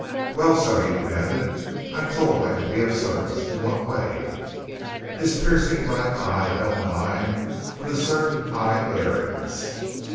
"Well, sir?" he demanded. "I am told I can be of service. In what way?" His piercing black eye held mine with a certain high arrogance.